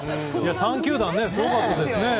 ３球団ってすごかったですね。